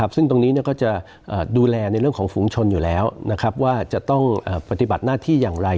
ซึ่งตรงนี้ก็จะดูแลในเรื่องของฝูงชนอยู่แล้วว่าจะต้องปฏิบัติหน้าที่อย่างไร